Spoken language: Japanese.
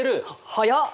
早っ！